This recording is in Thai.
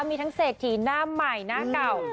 มีทั้งเศรษฐีหน้าใหม่หน้าเก่า